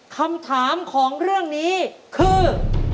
คำถามของเรื่องนี้คือ